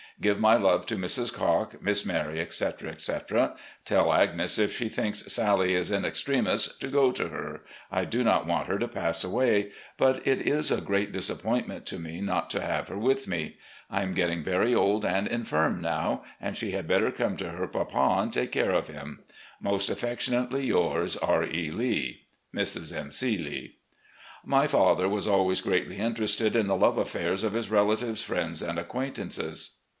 Give my love to Mrs. Cocke, Miss Mary, etc., etc. Tell Agnes, if she thinks Sallie is in extremis, to go to her. I *Commander of the canal packet. 200 RECOLLECTIONS OF GENERAL LEE do not want her to pass away, but it is a great disap pointment to me not to have her with me. I am getting very old and infirm now, and she had better come to her papa and take care of him. "Most affectionately yours, R. E. Lee. "Mrs. M. C. Lee." My father was always greatly interested in the love affairs of his relatives, friends, and acquaintances.